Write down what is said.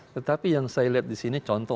tetapi yang saya lihat di sini contoh